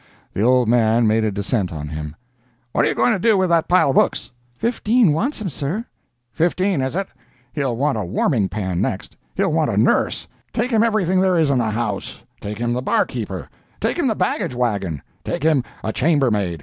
The old man made a descent on him: "What are you going to do with that pile of books?" "Fifteen wants 'em, sir." "Fifteen, is it? He'll want a warming pan, next—he'll want a nurse. Take him everything there is in the house—take him the barkeeper—take him the baggage wagon—take him a chamber maid!